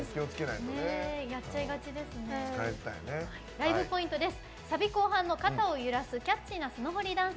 ライブポイントです。